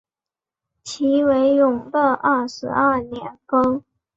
其为永乐二十二年封。